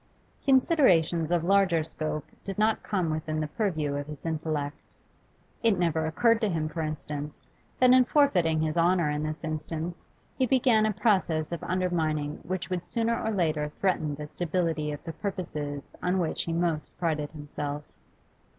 Considerations of larger scope did not come within the purview of his intellect. It never occurred to him, for instance, that in forfeiting his honour in this instance he began a process of undermining which would sooner or later threaten the stability of the purposes on which he most prided himself.